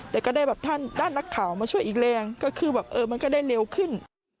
แต่ก็ได้แบบท่านด้านนักข่าวมาช่วยอีกแรงก็คือแบบเออมันก็ได้เร็วขึ้น